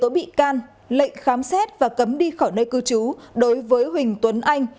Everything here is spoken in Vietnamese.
tố bị can lệnh khám xét và cấm đi khỏi nơi cư trú đối với huỳnh tuấn anh